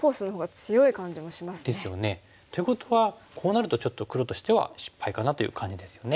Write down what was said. っていうことはこうなるとちょっと黒としては失敗かなという感じですよね。